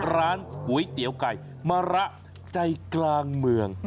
ร้านก๋วยเตี๋ยวไก่มะระใจกลางเมือง